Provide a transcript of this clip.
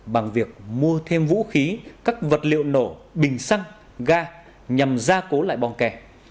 bằng việc mua thêm vũ khí các vật liệu nổ bình xăng ga nhằm gia cố lại bong kè